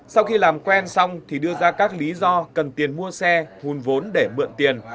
sau khi làm quen xong thì đưa ra các lý do cần tiền mua xe hùn vốn để mượn tiền